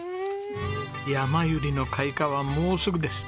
ヤマユリの開花はもうすぐです。